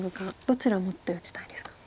どちらを持って打ちたいですか。